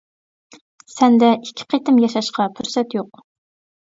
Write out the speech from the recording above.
سەندە ئىككى قېتىم ياشاشقا پۇرسەت يوق.